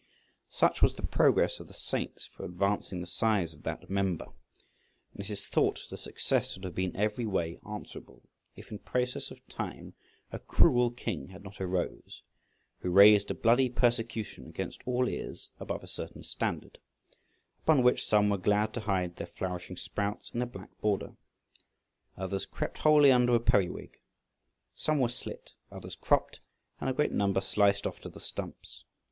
Such was the progress of the saints for advancing the size of that member, and it is thought the success would have been every way answerable, if in process of time a cruel king had not arose, who raised a bloody persecution against all ears above a certain standard {152a}; upon which some were glad to hide their flourishing sprouts in a black border, others crept wholly under a periwig; some were slit, others cropped, and a great number sliced off to the stumps.